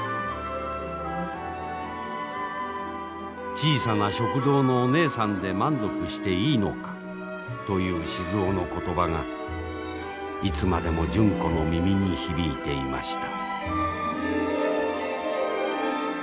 小さな食堂のおねえさんで満足していいのかという静尾の言葉がいつまでも純子の耳に響いていました。